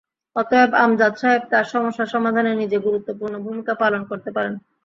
অতএব আমজাদ সাহেব তাঁর সমস্যা সমাধানে নিজে গুরুত্বপূর্ণ ভূমিকা পালন করতে পারেন।